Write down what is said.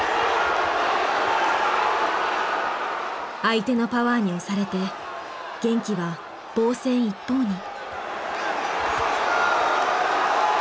相手のパワーに押されて玄暉は防戦一方に。